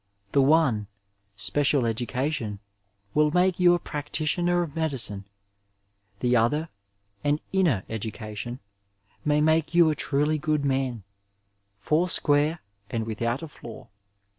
The one, special education, will make you a practitioner of medi cine ; the other, an inner education, may make you a truly good man, four square and without a flaw.